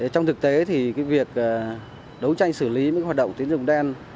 trong thực tế thì việc đấu tranh xử lý những hoạt động tín dụng đen